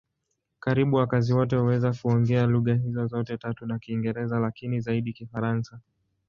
Karibu wakazi wote huweza kuongea lugha hizo zote tatu na Kiingereza, lakini zaidi Kifaransa.